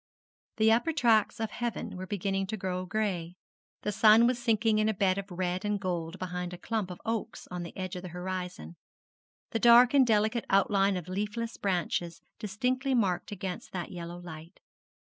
The upper tracts of heaven were beginning to grow gray, the sun was sinking in a bed of red and gold behind a clump of oaks on the edge of the horizon the dark and delicate outline of leafless branches distinctly marked against that yellow light.